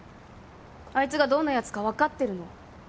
あいつがどんな奴かわかってるの？